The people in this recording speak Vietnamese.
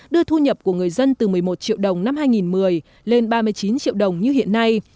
đưa thu nhập của người dân từ một mươi một triệu đồng năm hai nghìn một mươi lên ba mươi chín triệu đồng như hiện nay